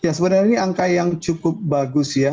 ya sebenarnya ini angka yang cukup bagus ya